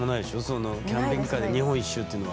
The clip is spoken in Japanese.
キャンピングカーで日本一周ってのは。